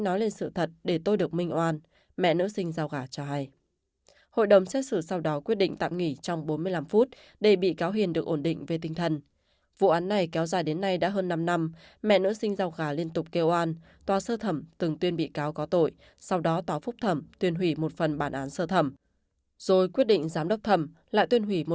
rồi quyết định giám đốc thẩm lại tuyên hủy một phần bản án phúc thẩm